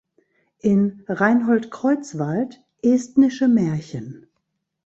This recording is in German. In: Reinhold Kreutzwald: "Estnische Märchen.